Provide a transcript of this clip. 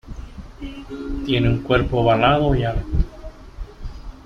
Tiene un cuerpo ovalado y alto.